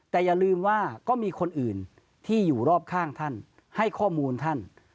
แต่อย่าลืมว่าก็มีคนอื่นที่อยู่รอบข้างท่านให้ข้อมูลท่าน